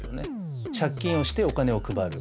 借金をしてお金を配る。